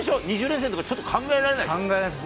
２０連戦ってちょっと考えられないでしょ？